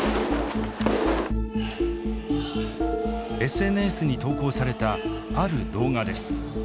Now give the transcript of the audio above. ＳＮＳに投稿されたある動画です。